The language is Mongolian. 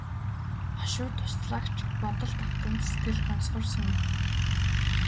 Хошуу туслагч бодолд автан сэтгэл гонсгор сууна.